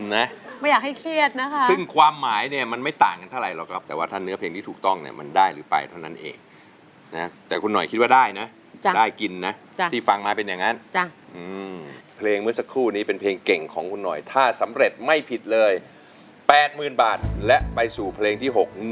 ไม่อยากให้เครียดนะคะซึ่งความหมายเนี่ยมันไม่ต่างกันเท่าไรหรอกครับแต่ว่าถ้าเนื้อเพลงที่ถูกต้องเนี่ยมันได้หรือไปเท่านั้นเองนะแต่คุณหน่อยคิดว่าได้นะได้กินนะที่ฟังมาเป็นอย่างนั้นเพลงเมื่อสักครู่นี้เป็นเพลงเก่งของคุณหน่อยถ้าสำเร็จไม่ผิดเลย๘๐๐๐บาทและไปสู่เพลงที่๖